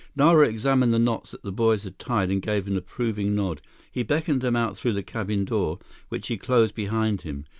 Nara examined the knots that the boys had tied and gave an approving nod. He beckoned them out through the cabin door, which he closed behind him.